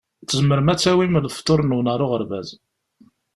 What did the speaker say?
Tzemrem ad d-tawim lefḍur-nwen ɣer uɣerbaz.